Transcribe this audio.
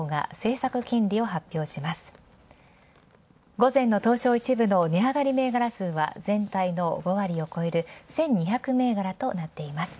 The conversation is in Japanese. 午前の東証１部の値上がり銘柄数は全体の５割を超える１２００銘柄となっています。